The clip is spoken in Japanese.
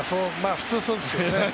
普通、そうですけどね。